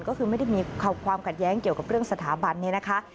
ก็คือไม่ได้มีความขัดแย้งเกี่ยวกับเรื่องสถาบันเนี่ยนะคะ